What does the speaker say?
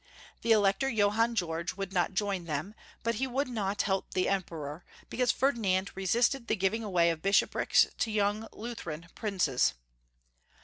The Elector Johann George would not join them, but he would not help the Emperor, because Ferdinand resisted the givmg away of Bishoprics to young Lutheran princes.